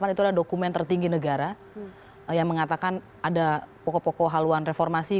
delapan itu adalah dokumen tertinggi negara yang mengatakan ada pokok pokok haluan reformasi